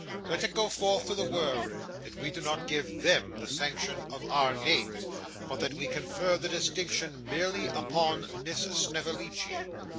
Let it go forth to the world, that we do not give THEM the sanction of our names, but that we confer the distinction merely upon Miss Snevellicci.